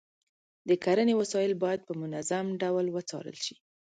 د کرنې وسایل باید په منظم ډول وڅارل شي.